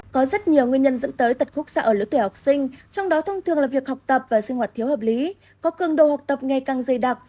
có rất nhiều nguyên nhân dẫn tới tật khúc xạ ở lứa tuổi học sinh trong đó thông thường là việc học tập và sinh hoạt thiếu hợp lý có cường độ học tập ngày càng dày đặc